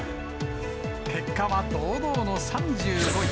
結果は堂々の３５位。